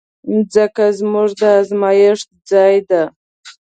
مځکه زموږ د ازمېښت ځای ده.